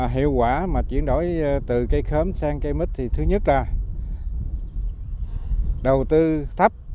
hiệu quả mà chuyển đổi từ cây khớm sang cây mít thì thứ nhất là đầu tư thấp